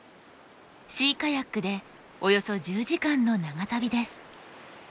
シーカヤックでおよそ１０時間の長旅です。